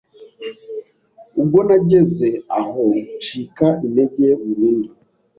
Ubwo nageze aho ncika intege burundu